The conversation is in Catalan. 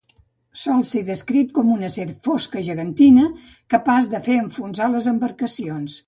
Sol ser descrit com una serp fosca gegantina, capaç de fer enfonsar les embarcacions.